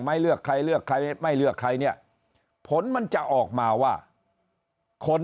เลือกใครเลือกใครไม่เลือกใครเนี่ยผลมันจะออกมาว่าคน